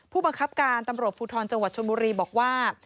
ผู้บังคับการตำรวจภูทรจังหวัดชนบุรีบอกว่า